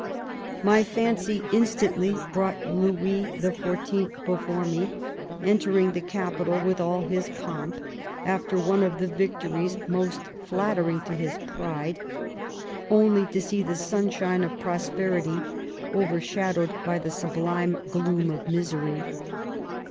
My fancy instantly brought Louis XIY. before me, entering the capital with all his pomp, after one of the victories most flattering to his pride, only to see the sunshine of prosperity overshadowed by the sublime gloom of misery.